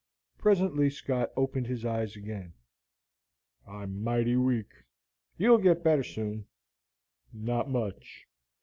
Presently Scott opened his eyes again. "I'm mighty weak." "You'll get better soon." "Not much."